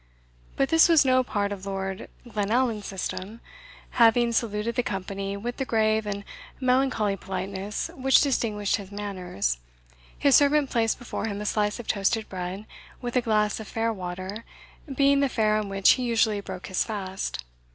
But this was no part of Lord Glenallan's system. Having saluted the company with the grave and melancholy politeness which distinguished his manners, his servant placed before him a slice of toasted bread, with a glass of fair water, being the fare on which he usually broke his fast.